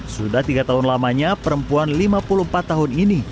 sudah tiga tahun lamanya perempuan lima puluh empat tahun ini